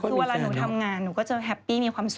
คือเวลาหนูทำงานหนูก็จะแฮปปี้มีความสุข